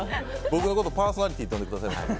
僕のことパーソナリティーって呼んでくださいね。